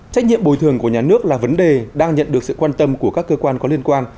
trách nhiệm bồi thường của nhà nước là vấn đề đang nhận được sự quan tâm của các cơ quan có liên quan